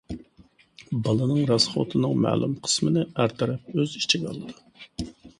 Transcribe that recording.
بالىنىڭ راسخوتىنىڭ مەلۇم قىسمىنى ئەر تەرەپ ئۆز ئىچىگە ئالىدۇ.